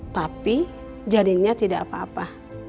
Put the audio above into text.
tapi jaringnya tidak apa apa